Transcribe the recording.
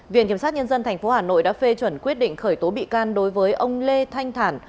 viện kiểm sát nhân dân tp hà nội đã phê chuẩn quyết định khởi tố bị can đối với ông lê thanh thản